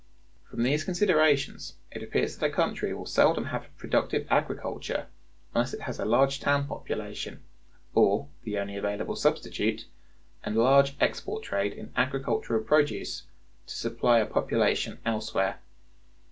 From these considerations it appears that a country will seldom have a productive agriculture unless it has a large town population, or, the only available substitute, a large export trade in agricultural produce to supply a population elsewhere.